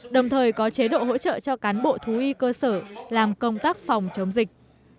đồng thời có chế độ hỗ trợ cho cán bộ thú y cơ sở làm công tác phòng chống dịch